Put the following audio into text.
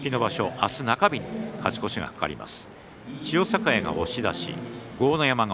明日、中日に勝ち越しが懸かります。